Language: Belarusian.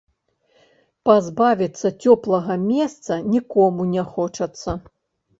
Пазбавіцца цёплага месца нікому не хочацца.